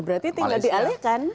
ya berarti tidak dialihkan